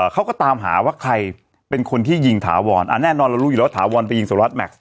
เขาก็ตามหาว่าใครเป็นคนที่ยิงถาวรแน่นอนเรารู้อยู่แล้วถาวรไปยิงสวนวัสดแม็กซ